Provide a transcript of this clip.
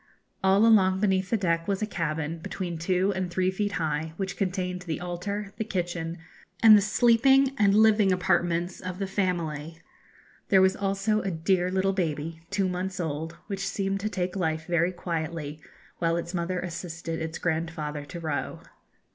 All along beneath the deck was a cabin, between two and three feet high, which contained the altar, the kitchen, and the sleeping and living apartments of the family. There was also a dear little baby, two months old, which seemed to take life very quietly, while its mother assisted its grandfather to row.